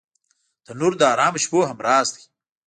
تنور د ارامو شپو همراز دی